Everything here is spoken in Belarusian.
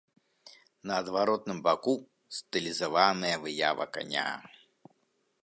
На адваротным баку стылізаваная выява каня.